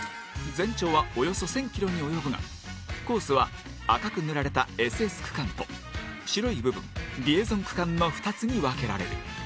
全長はおよそ１０００ｋｍに及ぶがコースは赤く塗られたＳＳ区間と白い部分、リエゾン区間の２つに分けられる。